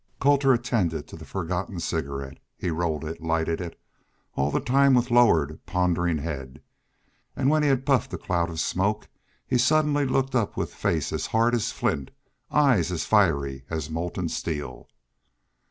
Colter attended to the forgotten cigarette. He rolled it, lighted it, all the time with lowered, pondering head, and when he had puffed a cloud of smoke he suddenly looked up with face as hard as flint, eyes as fiery as molten steel.